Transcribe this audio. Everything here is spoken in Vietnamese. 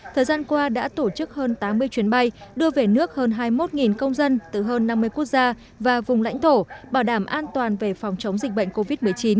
thời gian qua đã tổ chức hơn tám mươi chuyến bay đưa về nước hơn hai mươi một công dân từ hơn năm mươi quốc gia và vùng lãnh thổ bảo đảm an toàn về phòng chống dịch bệnh covid một mươi chín